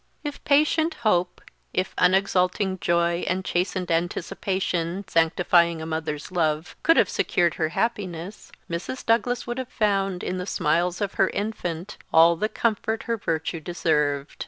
If patient hope, if unexulting joy, and chastened anticipation, sanctifying a mother's love, could have secured her happiness, Mrs. Douglas would have found, in the smiles of her infant, all the comfort her virtue deserved.